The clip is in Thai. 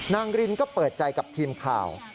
รินก็เปิดใจกับทีมข่าว